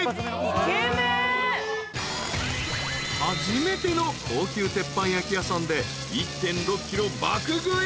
［初めての高級鉄板焼き屋さんで１．６ｋｇ爆食い］